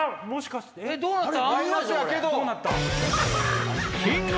どうなった？